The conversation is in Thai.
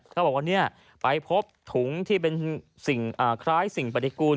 เขาบอกว่าไปพบถุงที่เป็นสิ่งคล้ายสิ่งปฏิกูล